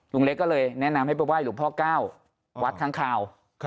ลุงเล็กก็เลยแนะนำให้ไปไหว้หลวงพ่อเก้าวัดค้างคาว